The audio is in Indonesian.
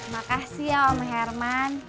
makasih ya om herman